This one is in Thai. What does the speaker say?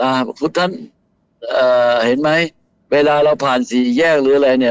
ท่านเอ่อเห็นไหมเวลาเราผ่านสี่แยกหรืออะไรเนี้ย